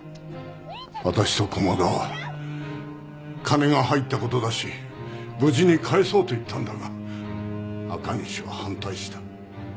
私と駒田は金が入った事だし無事に帰そうと言ったんだが赤西は反対した。